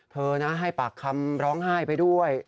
เธอนะให้ปากคำร้องไห้ไปด้วย